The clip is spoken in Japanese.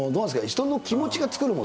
人の気持ちが作るもの？